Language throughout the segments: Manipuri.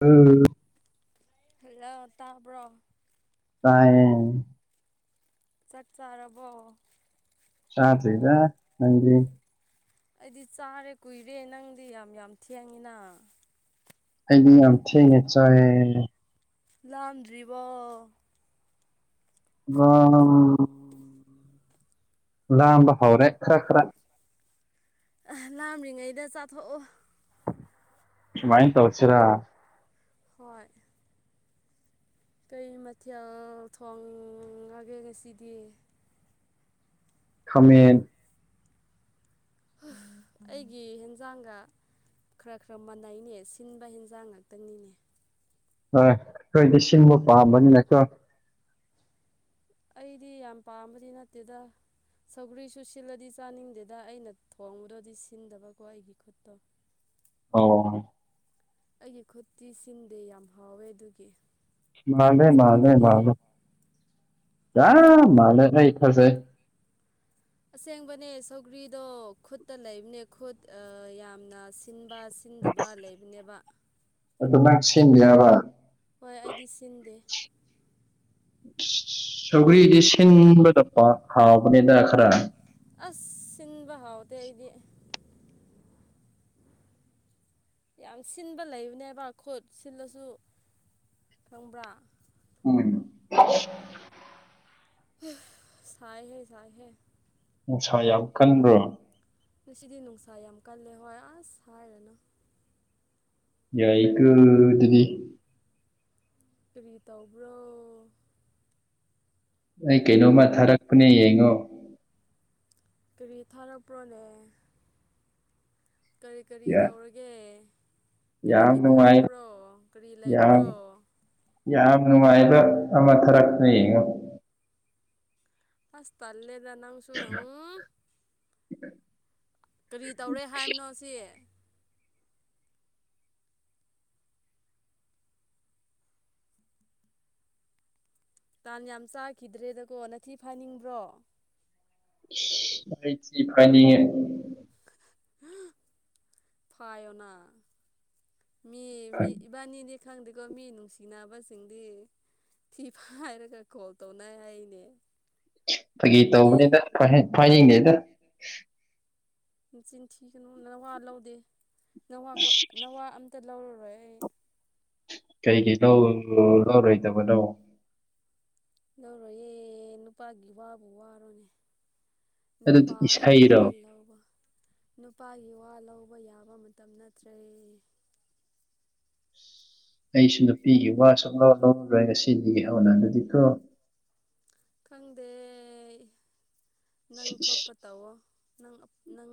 ꯎꯝ ꯂ ꯇꯥꯕ꯭ꯔꯣ ꯀꯥꯏ ꯆꯠ ꯆꯥꯔꯕꯣ ꯁꯥꯇꯗ ꯅꯪꯒꯤ ꯑꯩꯗꯤ ꯆꯥꯔꯦ ꯀꯨꯏꯔꯦ ꯅꯪꯗꯤ ꯌꯥꯝ ꯌꯥꯝ ꯊꯦꯡꯉꯤꯅ ꯑꯩꯗꯤ ꯌꯥꯝ ꯊꯦꯡꯉꯦ ꯆꯥꯏꯦ ꯂꯥꯝꯗ꯭ꯔꯤꯕ ꯑꯣ ꯂꯝꯕ ꯍꯥꯎꯔꯦ ꯈꯔ ꯈꯔ ꯑ ꯂꯥꯝꯔꯤꯉꯩꯗ ꯆꯥꯊꯣꯛꯑꯣ ꯃꯥꯏꯟ ꯇꯧꯁꯤꯔꯥ ꯍꯣꯏ ꯀꯩ ꯃꯊꯦꯜ ꯊꯣꯡꯉꯒꯦ ꯉꯁꯤꯗꯤ ꯈꯥꯃꯦꯟ ꯑꯩꯒꯤ ꯍꯦꯟꯖꯥꯡꯒ ꯈꯔ ꯈꯔ ꯃꯥꯟꯅꯩꯅꯦ ꯁꯤꯟꯕ ꯍꯦꯟꯖꯥꯡ ꯉꯥꯛꯇꯅꯤꯅꯦ ꯍꯣꯏ ꯑꯩꯈꯣꯏꯗꯤ ꯁꯤꯡꯕ ꯄꯥꯝꯕꯅꯤꯅꯣ ꯑꯩꯗꯤ ꯌꯥꯝ ꯄꯥꯝꯕꯗꯤ ꯅꯠꯇꯦꯗ ꯁꯧꯒ꯭ꯔꯤꯁꯨ ꯁꯤꯜꯂꯗꯤ ꯆꯥꯅꯤꯡꯗꯦꯗ ꯑꯩꯅ ꯊꯣꯡꯕꯗꯣꯗꯤ ꯁꯤꯟꯗꯕꯀꯣ ꯑꯩꯒꯤ ꯈꯨꯠꯇꯣ ꯑꯣ ꯑꯩꯒꯤ ꯈꯨꯠꯇꯤ ꯁꯤꯟꯗꯦ ꯌꯥꯝ ꯍꯥꯎꯋꯦ ꯑꯗꯨꯒꯤ ꯃꯥꯅꯦ ꯃꯥꯅꯦ ꯆꯥꯕꯅꯦ ꯃꯥꯅꯦ ꯌꯥ ꯃꯥꯅꯦ ꯀ ꯊꯁꯦ ꯑꯁꯦꯡꯕꯅꯦ ꯁꯧꯒ꯭ꯔꯤꯗꯣ ꯈꯨꯠꯇ ꯂꯩꯕꯅꯦ ꯈꯨꯠ ꯌꯥꯝꯅ ꯁꯤꯟꯕ ꯊꯤꯟꯗꯕ ꯂꯩꯕꯅꯦꯕ ꯑꯗꯨ ꯅꯪ ꯁꯦꯝꯕ ꯌꯥꯕ ꯍꯣꯏ ꯑꯩꯗꯤ ꯁꯤꯟꯗꯦ ꯁꯧꯒ꯭ꯔꯤꯗꯤ ꯁꯤꯟꯕꯗ ꯍꯥꯎꯕꯅꯤꯅ ꯈꯔ ꯑꯁ ꯁꯤꯁꯤꯡꯕ ꯍꯥꯎꯇꯦ ꯑꯩꯗꯤ ꯌꯥꯝ ꯁꯤꯟꯕ ꯂꯩꯕꯅꯦꯕ ꯈꯨꯠ ꯁꯤꯜꯂꯁꯨ ꯈꯪꯕ꯭ꯔꯥ ꯎ ꯆꯥꯏꯍꯦ ꯆꯥꯏꯍꯦ ꯅꯨꯡꯁꯥ ꯌꯥꯝ ꯀꯟꯕ꯭ꯔꯣ ꯉꯁꯤꯗꯤ ꯅꯨꯡꯁꯥ ꯌꯥꯝ ꯀꯜꯂꯦ ꯍꯣꯏ ꯑꯁ ꯍꯥꯏꯔꯅꯨ ꯌꯥꯏ ꯀ ꯏꯗꯤꯗꯤ ꯀꯔꯤ ꯇꯧꯕ꯭ꯔꯣ ꯑꯩ ꯀꯩꯅꯣꯝꯃ ꯊꯥꯔꯛꯄꯅꯦ ꯌꯦꯡꯉꯣ ꯀꯔꯤ ꯊꯥꯔꯛꯄ꯭ꯔꯣꯅꯦ ꯀꯔꯤ ꯀꯔꯤ ꯌꯥ ꯇꯧꯔꯒꯦ ꯌꯥꯝ ꯀꯔꯤꯒꯤ ꯅꯨꯡꯉꯥꯏ ꯊꯥꯔꯛꯄ꯭ꯔꯣ ꯀꯔꯤ ꯂꯩꯕ꯭ꯔꯣ ꯌꯥꯝ ꯌꯥꯝ ꯅꯨꯡꯉꯥꯏꯕ ꯑꯃ ꯊꯔꯛꯅ ꯌꯦꯡꯉꯣ ꯐꯥꯁꯇꯜ ꯂꯦꯗ ꯂꯅꯥꯪꯁꯨ ꯑ ꯀꯔꯤ ꯇꯧꯔꯦ ꯍꯥꯏꯕꯅꯣ ꯁꯤ ꯇꯥꯟ ꯌꯥꯝ ꯆꯥꯈꯤꯗ꯭ꯔꯦꯗꯀꯣ ꯅꯅꯥꯊꯤ ꯐꯥꯅꯤꯡꯕ꯭ꯔꯣ ꯑꯩ ꯐꯅꯤꯡꯉꯦ ꯐꯥꯏꯅꯥ ꯃꯤ ꯃꯤ ꯐ- ꯏꯕꯥꯅꯤꯗꯤ ꯈꯪꯗꯦꯀꯣ ꯃꯤ ꯅꯨꯡꯁꯤꯁꯤꯡꯅꯅꯥꯕꯁꯤꯡꯗꯤ ꯊꯤ ꯐ ꯍꯥꯏꯔꯒ ꯀꯣꯜ ꯇꯧꯅ ꯍꯥꯏ ꯑꯩꯅꯦ ꯐꯩꯒꯤꯩ ꯇꯧꯕꯅꯦꯗ ꯐꯥꯏꯅꯤꯡꯅꯦꯗ ꯆꯤꯟꯊꯤ ꯀꯅꯣ ꯅꯋꯥ ꯂꯧꯗꯦ ꯅꯋꯥ ꯅꯋꯥ ꯑꯝꯇ ꯂꯧꯔꯔꯣꯏ ꯑꯩ ꯀꯩꯒꯤ ꯂꯧ ꯂꯧꯔꯣꯏꯗꯕꯅꯣ ꯅꯧꯔꯣꯍ ꯅꯨꯄꯥꯒꯤ ꯋꯥꯕꯨ ꯋꯥꯔꯣꯅꯦ ꯑꯗꯨꯗꯤ ꯅꯨꯄꯥꯒꯤ ꯏꯁꯩꯔꯣ ꯋꯥ ꯂꯧꯕ ꯅꯨꯄꯥꯒꯤ ꯋꯥ ꯂꯧꯕ ꯌꯥꯕ ꯃꯇꯝ ꯅꯠꯇ꯭ꯔꯦ ꯑꯩꯁꯨ ꯅꯨꯄꯤꯒꯤ ꯋꯥ ꯁꯨꯡꯂꯧ ꯂꯧꯔꯔꯣꯏ ꯉꯁꯤꯗꯒꯤ ꯍꯧꯅ ꯑꯗꯨꯗꯤ ꯀꯣ ꯈꯪꯗꯦ ꯅꯪ ꯏꯁ, ꯏꯁ, ꯊꯣꯛꯄ ꯇꯧꯋꯣ ꯅꯪ ꯅꯪ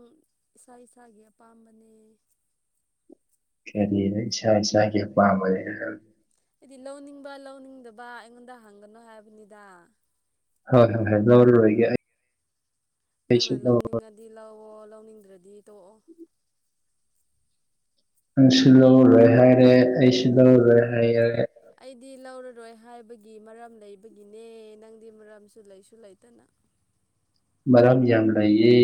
ꯏꯁꯥ ꯏꯁꯥꯒꯤ ꯑꯄꯥꯝꯕꯅꯦ ꯀꯔꯤ ꯅꯪ ꯏꯁꯥ ꯏꯁꯥꯒꯤ ꯄꯥꯝꯕꯅꯦ ꯍꯥꯏꯗꯤ ꯂꯧꯅꯤꯡꯕ ꯂꯧꯅꯤꯡꯗꯕ ꯑꯩꯉꯣꯟꯗ ꯍꯪꯒꯅꯣ ꯍꯥꯏꯕꯅꯤꯗ ꯍꯣꯏ ꯍꯣꯏ ꯍꯣꯏ ꯂꯧꯔꯔꯣꯏꯒꯦ ꯑꯩ ꯑꯩꯁꯨ ꯅꯪꯅ ꯂꯧ ꯂꯧꯅꯤꯡꯉꯗꯤ ꯂꯧꯑꯣ ꯂꯧꯅꯤꯡꯗ꯭ꯔꯗꯤ ꯇꯣꯛꯑꯣ ꯅꯪꯁꯨ ꯂꯧꯔꯔꯣꯏ ꯍꯥꯏꯔꯦ ꯑꯩꯁꯨ ꯂꯧꯔꯔꯣꯏ ꯍꯥꯏꯔꯒꯦ ꯑꯩꯗꯤ ꯂꯧꯔꯔꯣꯏ ꯍꯥꯏꯕꯒꯤ ꯃꯔꯝ ꯂꯩꯕꯒꯤꯅꯦ ꯅꯪꯗꯤ ꯃꯔꯝꯁꯨ ꯂꯩꯁꯨ ꯂꯩꯇꯅ ꯃꯔꯝ ꯌꯥꯝ ꯂꯩꯌꯦ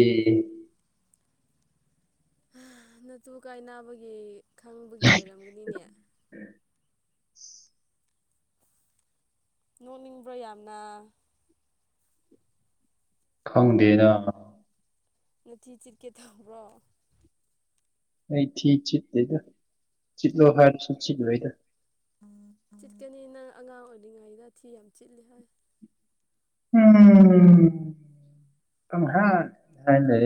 ꯅꯇꯨ ꯀꯥꯏꯅꯥꯕꯒꯤ ꯈꯪꯕꯒꯤ ꯑꯣꯏꯔꯝꯒꯅꯤꯅꯦ ꯅꯣꯛꯅꯤꯡꯕ꯭ꯔꯣ ꯌꯥꯝꯅ ꯈꯪꯗꯦꯅ [inaudible] ꯇꯧꯕ꯭ꯔꯣ ꯑꯩ [inaudible] ꯆꯤꯠꯂꯣ ꯍꯥꯏꯔꯁꯨ ꯆꯤꯠꯂꯣꯏꯗ ꯆꯤꯠꯀꯅꯤ ꯅꯪ ꯑꯉꯥꯡ ꯑꯣꯏꯔꯤꯉꯩꯗ [inaudible] ꯆꯤꯠꯂꯤ ꯍꯥꯏ ꯎꯝ ꯀꯪꯍꯥꯠ ꯍꯥꯠꯂꯦ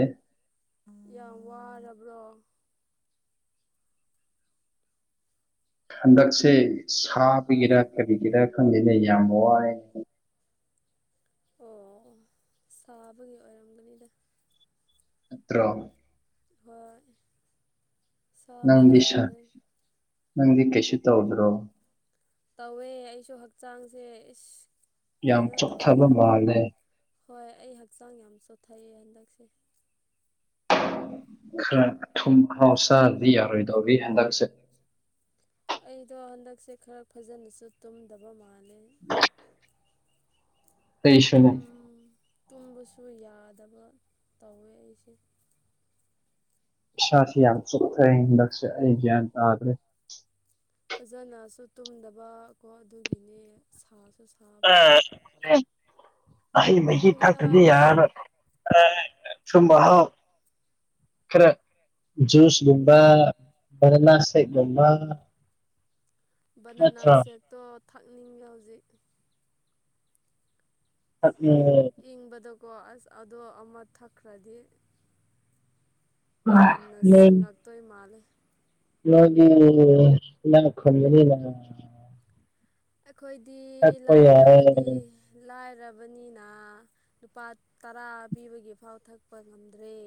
ꯌꯥꯝ ꯋꯥꯔꯕ꯭ꯔꯣ ꯍꯟꯗꯛꯁꯦ ꯁꯥꯕꯒꯤꯔ ꯎꯝ ꯀꯔꯤꯒꯤꯔꯥ ꯈꯪꯗꯦꯅꯦ ꯌꯥꯝ ꯋꯥꯏ ꯑꯣ ꯁꯥꯕꯒꯤ ꯑꯣꯏꯔꯝꯒꯅꯤꯗ ꯅꯠꯇ꯭ꯔꯣ ꯍꯣꯏ ꯁꯥꯕꯒꯤ ꯅꯪꯗꯤ ꯁꯥ ꯑꯣꯏꯔꯝꯒꯅꯤ ꯅꯪꯗꯤ ꯀꯩꯁꯨ ꯇꯧꯗ꯭ꯔꯣ ꯇꯧꯋꯦ ꯑꯩꯁꯨ ꯍꯛꯆꯥꯡꯁꯦ ꯏꯁ ꯌꯥꯝ ꯀꯩꯅꯣ ꯇꯧꯋꯦ ꯆꯣꯛꯊꯕ ꯌꯥꯝꯅ ꯃꯥꯜꯂꯦ ꯍꯣꯏ ꯑꯩ ꯍꯛꯆꯥꯡ ꯌꯥꯝ ꯆꯣꯠꯊꯩꯑꯦ ꯍꯟꯗꯛꯁꯦ ꯈꯔ ꯑꯊꯨꯝ ꯃꯍꯥꯎ ꯆꯥꯗꯗꯤ ꯌꯥꯔꯣꯏꯗꯧꯔꯤ ꯍꯟꯗꯛꯁꯦ ꯑꯩꯗꯣ ꯍꯟꯗꯛꯁꯦ ꯈꯔ ꯐꯖꯅꯁꯨ ꯇꯨꯝꯗꯕ ꯃꯥꯜꯂꯦ ꯑꯩꯁꯨꯅꯦ ꯇꯨꯝ ꯇꯨꯝꯕꯁꯨ ꯌꯥꯗꯕ ꯇꯧꯋꯦ ꯑꯩꯁꯦ ꯏꯁꯥꯁꯦ ꯌꯥꯝ ꯆꯣꯛꯊꯩ ꯍꯟꯗꯛꯁꯦ ꯑꯩ ꯒ꯭ꯌꯥꯟ ꯇꯥꯗ꯭ꯔꯦ ꯐꯖꯅꯁꯨ ꯇꯨꯝꯗꯕ ꯀꯣ ꯑꯗꯨꯒꯤꯅꯦ ꯁꯥꯁꯨ ꯁꯥ ꯑ ꯍꯩ ꯃꯍꯤ ꯇꯨꯝꯒꯦ ꯊꯛꯇ꯭ꯔꯗꯤ ꯍꯥꯏꯔꯁꯨ ꯌꯥꯔꯔꯣꯏ ꯍꯣꯏ ꯑꯊꯨꯝ ꯑꯍꯥꯎ ꯈꯔ ꯖꯨꯁ ꯒꯨꯝꯕ ꯕꯅꯥꯅꯥ ꯁꯦꯛ ꯒꯨꯝꯕ ꯕꯅꯥꯅꯥ ꯁꯦꯛꯇꯣ ꯊꯛꯅꯤꯡꯉꯦ ꯍꯧꯖꯤꯛ ꯊꯛꯅꯤ ꯏꯪꯕꯗꯀꯣ ꯑꯁ ꯑꯗꯣ ꯑꯃ ꯊꯛꯈ꯭ꯔꯗꯤ ꯌꯥꯝꯅ ꯅꯣꯏ ꯁꯤꯡꯉꯛꯇꯣꯏ ꯃꯥꯜꯂꯦ ꯅꯣꯏꯗꯤ ꯏꯅꯥꯛ ꯈꯨꯟꯕꯅꯤꯅ ꯑꯩꯈꯣꯏꯗꯤ ꯊꯛꯄ ꯂꯥꯏꯔꯕꯅꯤ ꯌꯥꯏ ꯂꯥꯏꯔꯕꯅꯤꯅ ꯂꯨꯄꯥ ꯇꯔꯥ ꯄꯤꯕꯒꯤꯐꯥꯎ ꯊꯛꯄ ꯉꯝꯗ꯭ꯔꯦ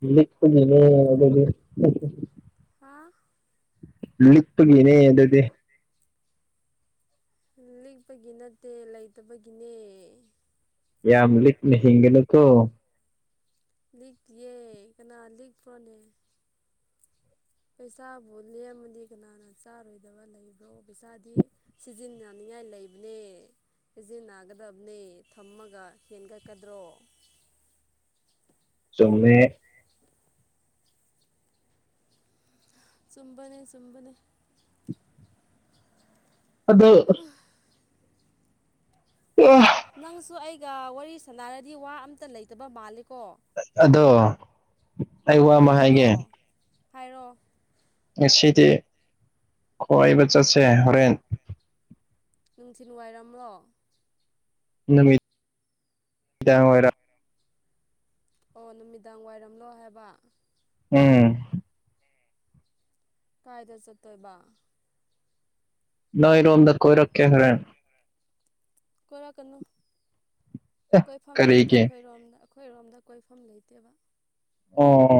ꯅꯨꯃꯤꯠ [unintelligible] ꯑꯗꯨꯗꯤ ꯍꯥꯥ ꯂꯤꯛ ꯄꯒꯤꯅꯦ ꯑꯗꯨꯗꯤ [inaudible] ꯂꯤꯛꯄꯒꯤ ꯅꯠꯇꯦ ꯂꯩꯇꯕꯒꯤꯅꯦ ꯌꯥꯝ ꯂꯤꯛꯅ ꯍꯤꯡꯒꯅꯨ ꯀꯣ ꯂꯤꯛ ꯇꯤꯌꯦ ꯀꯅꯥ ꯂꯤꯛ ꯄ꯭ꯔꯣꯅꯦ ꯄꯩꯁꯥꯕꯨ ꯂꯦꯝꯃꯗꯤ ꯀꯅꯥꯅ ꯆꯥꯔꯣꯏꯗꯕ ꯂꯩꯕ꯭ꯔꯣ ꯄꯩꯁꯥꯗꯤ ꯁꯤꯖꯤꯟꯅꯅꯤꯉꯥꯏ ꯂꯩꯕꯅꯦ ꯁꯤꯖꯤꯟꯅꯒꯗꯕꯅꯦ ꯊꯝꯃꯒ ꯍꯦꯟꯒꯠꯀꯗ꯭ꯔꯣ ꯆꯨꯝꯃꯦ ꯆꯨꯝꯕꯅꯦ ꯆꯨꯝꯕꯅꯦ ꯑꯗꫭ ꯑꯦ [unintelligible] ꯅꯪꯁꯨ ꯑꯩꯒ ꯋꯥꯔꯤ ꯁꯥꯟꯅꯔꯗꯤ ꯋꯥ ꯑꯝꯇ ꯂꯩꯇꯕ ꯃꯥꯜꯂꯤꯀꯣ ꯑꯗꯣ ꯑꯩ ꯋꯥꯃ ꯀꯔꯤꯔꯣ ꯍꯥꯏꯒꯦ ꯍꯥꯏꯔꯣ ꯉꯁꯤꯗꯤ ꯀꫭꯏꯕ ꯆꯠꯁꯦ ꯍꯣꯔꯦꯟ ꯅꯨꯡꯊꯤꯟ ꯋꯥꯏꯔꯝ꯭ꯔꯣ ꯅꯨꯃꯤꯠꯗꯥꯡ ꯋꯥꯏꯔꯝ ꯑꯣ ꯅꯨꯃꯤꯗꯥꯡ ꯋꯥꯏꯔꯝꯂꯣ ꯍꯥꯏꯕ ꯎꯝ ꯀꯥꯏꯗ ꯆꯠꯇꫭꯏꯕ ꯅꫭꯏꯔꫭꯝꯗ ꯀꫭꯏꯔꯛꯀꯅꯨ ꯀꯣꯏꯐꯝ ꯂꯩꯇꯦ ꯀꯔꯤꯒꯤ ꯑꯩꯈꯣꯏꯔꯣꯝꯗ ꯑꯩꯈꯣꯏꯔꯣꯝꯗ ꯀꯣꯏꯐꯝ ꯂꯩꯇꯦꯕ ꯑꯣ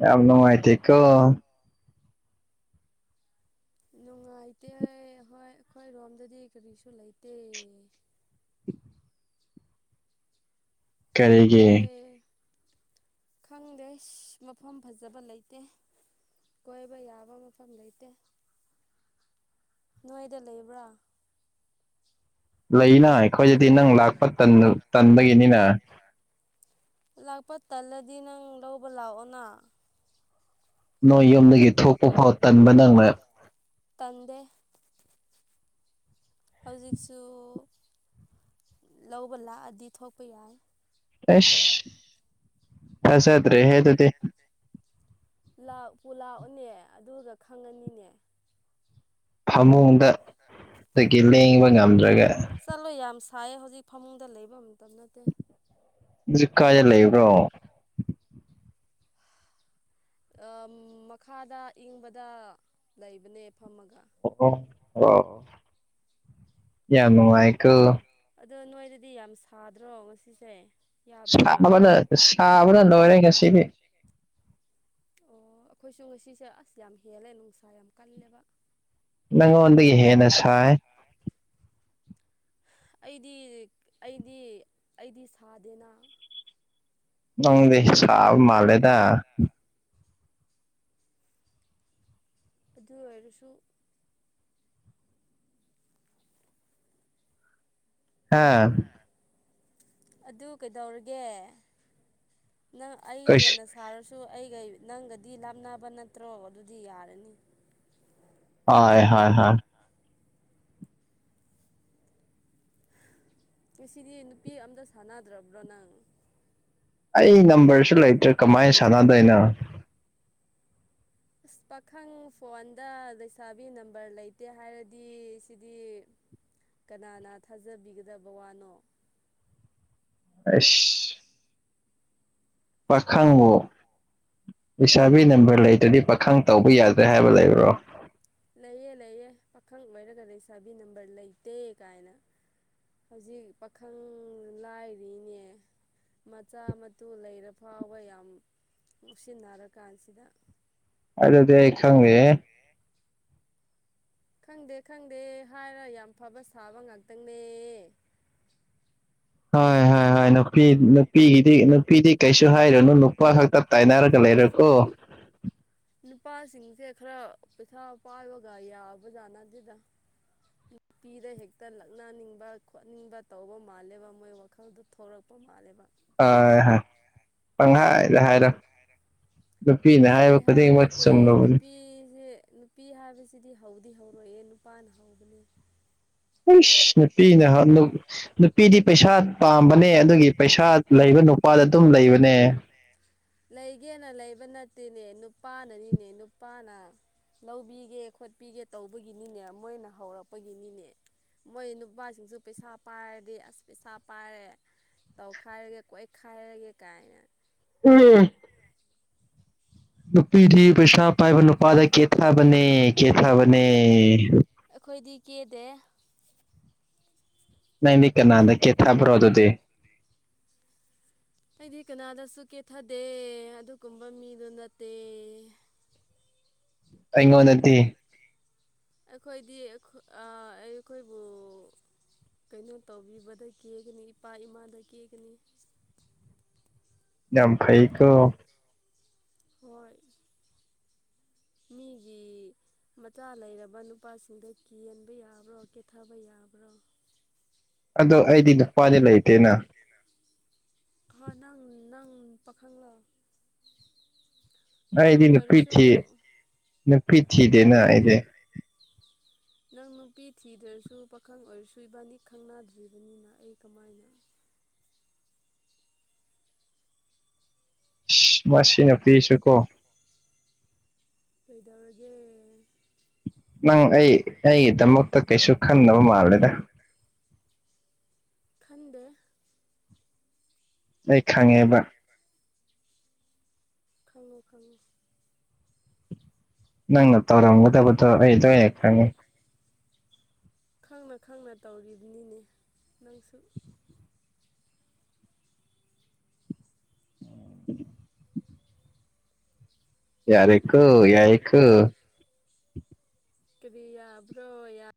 ꯌꯥꯝ ꯅꯨꯡꯉꯥꯏꯇꯦ ꯀꯣ ꯅꯨꯡꯉꯥꯏꯇꯦ ꯍꯣꯏ ꯑꯩꯈꯣꯏ ꯔꯣꯝꯗꯗꯤ ꯀꯔꯤꯁꯨ ꯂꯩꯇꯦ ꯀꯔꯤꯒꯤ ꯅꯣꯏ ꯈꯪꯗꯦ ꯃꯐꯝ ꯐꯖꯕ ꯂꯩꯇꯦ ꯀꯣꯏꯕ ꯌꯥꯕ ꯃꯐꯝ ꯂꯩꯇꯦ ꯅꯣꯏꯗ ꯂꯩꯕ꯭ꯔꯥ ꯂꯩꯅ ꯑꯩꯈꯣꯏꯗꯗꯤ ꯅꯪ ꯂꯥꯛꯄ ꯇꯟꯗ ꯇꯟꯕꯒꯤꯅꯤꯅ ꯂꯥꯛꯄ ꯇꯜꯂꯗꯤ ꯅꯪ ꯂꯧꯕ ꯂꯥꯛꯑꯣꯅ ꯅꯣꯏ ꯌꯨꯝꯗꯒꯤ ꯊꯣꯛꯄ ꯐꯥꯎ ꯇꯟꯕ ꯅꯪꯅ ꯇꯟꯗꯦ ꯍꯧꯖꯤꯛꯁꯨ ꯂꯧꯕ ꯂꯥꯛꯑꯗꯤ ꯊꯣꯛꯄ ꯌꯥꯏ ꯑꯦꯁ ꯐꯖꯗꯔꯦꯍꯦ ꯑꯗꯨꯗꯤ ꯂꯥꯛ ꯄꯨꯨ ꯂꯥꯛꯑꯣꯅꯦ ꯑꯗꯨꯒ ꯈꯪꯉꯅꯤꯅꯦ ꯐꯃꯨꯡꯗ ꯑꯗꯒꯤ ꯂꯦꯡꯕ ꯉꯝꯗ꯭ꯔꯒ ꯆꯠꯂꯨ ꯌꯥꯝ ꯁꯥꯏꯌꯦ ꯍꯧꯖꯤꯛ ꯐꯃꯨꯡꯗ ꯂꯩꯕ ꯃꯇꯝ ꯅꯠꯇꯦ ꯍꯧꯖꯤꯛ ꯀꯥꯏꯗ ꯂꯩꯕ꯭ꯔꯣ ꯃꯈꯥꯗ ꯏꯪꯕꯗ ꯂꯩꯕꯅꯦ ꯐꯝꯃꯒ ꯑꯣ ꯑ ꯑꯗꯣ ꯅꯣꯏꯗꯗꯤ ꯌꯥꯝ ꯁꯥꯗ꯭ꯔꯣ ꯉꯁꯤꯁꯦ ꯁꯥꯕꯅ ꯁꯥꯕꯅ ꯂꯣꯏꯔꯦ ꯉꯁꯤꯗꯤ ꯑꯣ ꯑꯩꯈꯣꯏꯁꯨ ꯉꯁꯤꯁꯦ ꯑꯁ ꯌꯥꯝ ꯍꯦꯜꯂꯦ ꯅꯨꯡꯁꯥ ꯌꯥꯝ ꯀꯜꯂꯦꯕ ꯅꯉꫭꯟꯗꯒꯤ ꯍꯦꯟꯅ ꯁꯥꯏ ꯑꯩꯗꯤ ꯑꯩꯗꯤ ꯑꯩꯗꯤ ꯁꯥꯗꯦꯅ ꯅꯪꯗꯤ ꯁꯥꯕ ꯃꯥꯜꯂꯦꯗ ꯑꯗꯨ ꯑꯣꯏꯔꯁꯨ ꯍꯥ ꯑꯗꯨ ꯀꯩꯗꯧꯔꯒꯦ ꯅꯪ ꯑꯩ ꯀꯩꯁ ꯍꯦꯟꯅ ꯁꯥꯔꯁꯨ ꯑꯩꯒ ꯅꯪꯒꯗꯤ ꯂꯥꯞꯅꯕ ꯅꯠꯇ꯭ꯔꯣ ꯑꯗꯨꯗꯤ ꯌꯥꯔꯅꯤ ꯍꫭꯏ ꯍꯣꯏ ꯍꯣꯏ ꯉꯁꯤꯗꯤ ꯅꯨꯄꯤ ꯑꯝꯇ ꯁꯥꯟꯅꯗ꯭ꯔꯕ꯭ꯔꯣ ꯅꯪ ꯑꯩ ꯅꯝꯕꯔꯁꯨ ꯂꯩꯇ꯭ꯔꯦ ꯀꯃꯥꯏ ꯁꯥꯟꯅꯗꯣꯏꯅꯣ ꯑꯁ ꯄꯥꯈꯪ ꯐꯣꯟꯗ ꯂꯩꯁꯥꯕꯤ ꯅꯝꯕꯔ ꯂꯩꯇꯦ ꯍꯥꯏꯔꯗꯤ ꯁꯤꯗꯤ ꯀꯅꯥꯅ ꯊꯥꯖꯕꯤꯒꯗꯕ ꯋꯥꯅꯣ ꯑ [inaudible] ꯄꯈꯕꯣ ꯏꯁꯥꯕꯤ ꯅꯝꯕꯔ ꯂꯩꯇ꯭ꯔꯗꯤ ꯄꯥꯈꯪ ꯇꯧꯕ ꯌꯥꯗ꯭ꯔꯦ ꯍꯥꯏꯕ ꯂꯩꯕ꯭ꯔꯣ ꯂꯩꯑ ꯂꯩꯌꯦ ꯄꯥꯈꯪ ꯑꯣꯏꯔꯒ ꯂꯩꯁꯥꯕꯤ ꯅꯝꯕꯔ ꯂꯩꯇꯦ ꯀꯥꯏꯅ ꯍꯧꯖꯤꯛ ꯄꯥꯈꯪ ꯂꯥꯏꯔꯤꯅꯦ ꯃꯆꯥ ꯃꯨ ꯂꯩꯔ ꯐꯥꯎꯕ ꯌꯥꯝ ꯃꯨꯁꯤꯟꯅꯔ ꯀꯥꯟꯁꯤꯗ ꯑꯗꯗ ꯈꯪꯦ ꯈꯪꯗꯦ ꯈꯪꯗꯦ ꯍꯥꯏꯔ ꯌꯥꯝ ꯐꯕ ꯁꯥꯕ ꯉꯇꯪꯅꯦ ꯍꯣꯏ ꯍꯣꯏ ꯍꯣꯏ ꯅꯄꯤ ꯅꯄꯤꯗꯤ ꯅꯨꯄꯤꯗꯤ ꯀꯩꯁꯨ ꯍꯥꯏꯔꯨꯅꯨ ꯅꯨꯄꯥ ꯈꯛꯇ ꯇꯥꯏꯅꯔꯒ ꯂꯩꯔꯣꯀꯣ ꯅꯨꯄꯥꯁꯤꯡꯁꯦ ꯈꯔ ꯄꯩꯁꯥ ꯄꯥꯏꯕꯒ ꯌꯥꯕꯖꯥꯠꯅ ꯑꯗꯨꯗ ꯅꯨꯄꯤꯗ ꯍꯦꯛꯇ ꯂꯛꯅꯅꯤꯡꯕ ꯈꯣꯠꯅꯤꯡꯕ ꯇꯧꯕ ꯃꯥꯜꯂꯦꯕ ꯃꯣꯏ ꯋꯥꯈꯜꯗꯨ ꯊꯂꯛꯄ ꯄꯄ ꯃꯥꯜꯂꯦꯕ ꯑ ꯍ ꯄꯪꯉꯥꯏ ꯌꯥ ꯍꯥꯏꯔ ꯑꯪꯍꯥꯏ ꯍꯥꯏꯕ ꯅꯠꯇꯦ ꯆꯨꯝꯂꯕꯅꯤ ꯅꯨꯄꯤꯁꯦ ꯅꯨꯄꯤ ꯍꯥꯏꯕꯁꯤꯗꯤ ꯍꯧꯗꯤ ꯍꯧꯔꯛꯦ ꯅꯨꯄꯥꯅ ꯍꯧꯕꯅꯦ ꯑꯁ ꯅꯨꯄꯤꯅ ꯅꯨꯄꯤꯗꯤ ꯄꯩꯁꯥ ꯄꯥꯝꯕꯅꯦ ꯑꯗꯨꯒꯤ ꯄꯩꯁꯥ ꯄꯩꯁꯥ ꯂꯩꯕ ꯅꯨꯄꯥꯗ ꯑꯗꯨꯝ ꯂꯩꯕꯅꯦ ꯂꯩꯒꯦꯅ ꯂꯩꯕ ꯅꯠꯇꯦꯅꯦ ꯅꯨꯄꯥꯅꯅꯤꯅꯦ ꯅꯨꯄꯥꯅ ꯂꯧꯕꯤꯒꯦ ꯈꯣꯠꯄꯤꯒꯦ ꯇꯧꯕꯒꯤꯅꯤꯅꯦ ꯃꯣꯏꯅ ꯍꯧꯔꯛꯄꯒꯤꯅꯤꯅꯦ ꯃꯣꯏ ꯅꯨꯄꯥꯁꯤꯡꯁꯨ ꯄꯩꯁꯥ ꯄꯥꯏꯔꯗꯤ ꯑꯁ ꯄꯩꯁꯥ ꯄꯥꯏꯔꯦ ꯇꯧꯈꯥꯏꯔꯒꯦ ꯀꯣꯏꯈꯥꯏꯔꯒꯦ ꯀꯥꯏꯅ ꯎ ꯅꯨꯄꯤꯗꯤ ꯄꯩꯁꯥ ꯄꯥꯏꯕ ꯅꯨꯄꯥꯗ ꯀꯦꯊꯕꯅꯦ ꯀꯦꯊꯕꯅꯦ ꯑꯩꯈꯣꯏꯗꯤ ꯀꯦꯗꯦ ꯅꯗꯤ ꯀꯅꯥꯗ ꯀꯦ ꯊꯥꯕ꯭ꯔꯣ ꯑꯗꯨꯗꯤ ꯎ ꯑꯩꯗꯤ ꯀꯅꯥꯗꯁꯨ ꯀꯦꯊꯗꯦ ꯑꯗꯨꯒꯨꯝꯕ ꯃꯤꯗꯨ ꯅꯠꯇꯦ ꯑꯩ ꯑꯩꯈꯣꯏꯗꯤ ꯑꯩꯈꯣꯏꯕꯨ ꯀꯩꯅꯣ ꯇꯧꯕꯤꯕꯗ ꯀꯦꯒꯅꯤ ꯏꯄꯥ ꯏꯃꯥꯗ ꯀꯦꯒꯅꯤ ꯌꯥꯝ ꯐꯩꯀꯣ ꯍꯣꯏ ꯃꯤꯒꯤ ꯃꯆꯥ ꯂꯩꯔꯕ ꯅꯨꯄꯥꯁꯤꯡꯗ ꯀꯟꯕ ꯌꯥꯕ꯭ꯔꯣ ꯀꯦꯊꯕ ꯌꯥꯕ꯭ꯔꯣ ꯑꯗꯣ ꯑꯩꯗꯤ ꯅꯨꯄꯥꯗꯤ ꯂꯩꯇꯦꯅ ꯑ ꯅꯪ ꯅꯪ ꯄꯥꯈꯪꯂꯣ ꯄꯥꯈꯪ ꯑꯣꯏꯔꯁꯨ ꯅꯪ ꯐꯤꯊꯗꯦꯅ ꯑꯩꯗꯤꯦ ꯅꯪ ꯅꯨꯄꯤ ꯊꯤꯗ꯭ꯔꯁꯨ ꯄꯥꯈꯪ ꯑꯣꯏꯔꯁꯨ ꯏꯕꯥꯅꯤ ꯈꯪꯅꯗ꯭ꯔꯤꯕꯅꯤꯅ ꯑꯩ ꯀꯃꯥꯏꯅ ꯃꯁꯤꯅ ꯄꯤꯁꯨ ꯀꯣ ꯀꯩꯗꯧꯔꯒꯦ ꯅꯪ ꯑꯩ ꯑꯩꯒꯤꯗꯃꯛꯇ ꯀꯩꯁꯨ ꯈꯟꯅꯕ ꯃꯥꯜꯂꯦꯗ ꯈꯟꯗꯦ ꯑꯩ ꯈꯪꯉꯦꯕ ꯈꯪꯉꯨ ꯈꯪꯉꯨ ꯅꯪꯅ ꯇꯧꯔꯝꯒꯗꯕꯗꯣ ꯑꯩꯗꯣ ꯍꯦꯛ ꯈꯪꯉꯦ ꯈꯪꯅ ꯈꯪꯅ ꯇꯧꯔꯤꯕꯅꯤꯅꯦ ꯅꯪꯁꯨ ꯎꯝ ꯌꯥꯔꯦ ꯀ ꯌꯥꯏꯏ ꯀ ꯀꯔꯤꯌꯥ ꯭ꯔꯣꯌꯥ